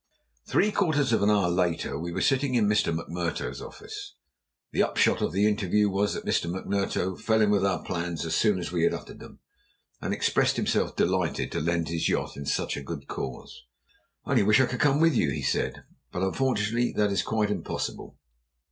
Three quarters of an hour later we were sitting in Mr. McMurtough's office. The upshot of the interview was that Mr. McMurtough fell in with our plans as soon as we had uttered them, and expressed himself delighted to lend his yacht in such a good cause. "I only wish I could come with you," he said; "but unfortunately that is quite impossible.